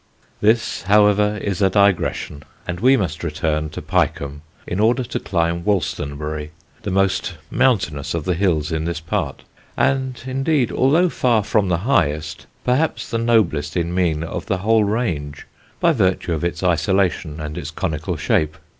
This, however, is a digression, and we must return to Pyecombe in order to climb Wolstonbury the most mountainous of the hills in this part, and indeed, although far from the highest, perhaps the noblest in mien of the whole range, by virtue of its isolation and its conical shape.